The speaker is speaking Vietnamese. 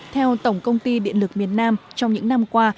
theo tổng công ty điện lực miền nam trong những năm qua